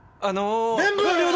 あの。